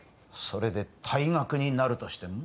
それで退学になるとしても？